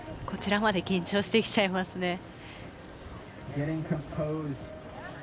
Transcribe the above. こちらまで緊張してきちゃいますね。